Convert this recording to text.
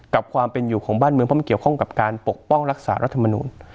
ความเป็นอยู่ของบ้านเมืองเพราะมันเกี่ยวข้องกับการปกป้องรักษารัฐมนุน